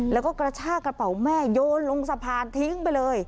แล้วก็กระชากระเป๋าแม่โยนลงสะพานทิ้งไปเลย